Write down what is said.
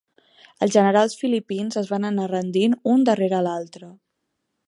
Els generals filipins es van anar rendint un darrere l’altre.